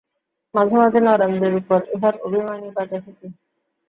মাঝে মাঝে নরেন্দ্রের উপর ইহার অভিমানই বা দেখে কে।